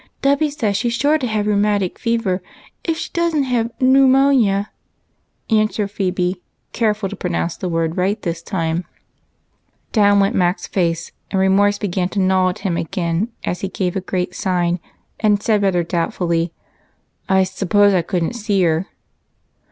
Dolly says she 's sure to have rheu matic fever, if she don't have noo monia !" answered Phebe, careful to pronounce the word rightly this time. Down went Mac's face, and remorse began to gnaw U him again as he gave a great sigh and said doubt fully,— "I suppose I couldn't see her?"